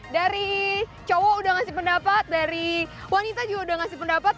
dari cowok sudah memberikan pendapat dari wanita juga sudah memberikan pendapat